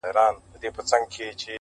په پوهنتون کي مي یو استاد ننګرهاری وو